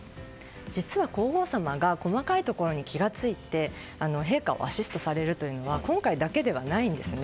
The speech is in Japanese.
実は皇后さまが細かいところに気がついて陛下をアシストされるというのは今回だけではないんですね。